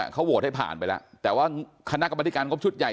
เขาโหวตให้ผ่านไปแล้วแต่ว่าคณะกรรมธิการงบชุดใหญ่